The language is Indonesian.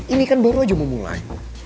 ini kan baru aja mau mulai